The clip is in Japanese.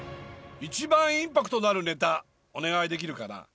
一番インパクトのあるネタお願いできるかな。